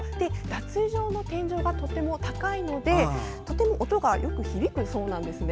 脱衣場の天井がとても高いのでとても音がよく響くそうなんです。